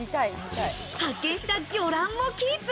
発見した魚卵もキープ。